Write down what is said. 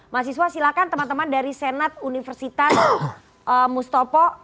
mahasiswa silakan teman teman dari senat universitas mustafa